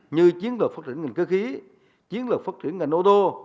như chiến lược phát triển ngành cơ khí chiến lược phát triển ngành ô tô